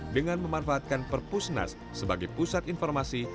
dengan memanfaatkan perpusnas sebagai pusat informasi